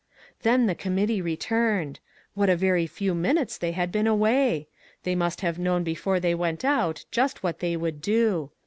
Then the committee returned. What a very few minutes they had been away! They must have known before they went out just what they would do.